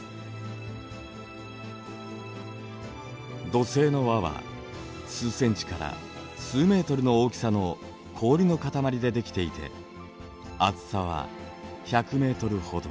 土星の環は数センチから数メートルの大きさの氷の塊でできていて厚さは１００ｍほど。